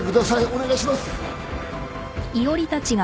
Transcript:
お願いします。